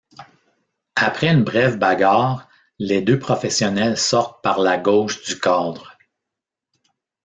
Après une brève bagarre, les deux professionnels sortent par la gauche du cadre.